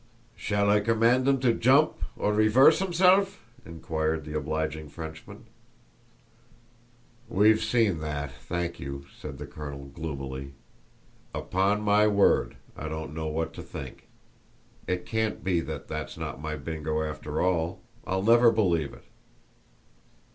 "Shall I command 'im to jump, or reverse 'imself?" inquired the obliging Frenchman. "We've seen that, thank you," said the colonel, gloomily. "Upon my word, I don't know what to think. It can't be that that's not my Bingo after all—I'll never believe it!"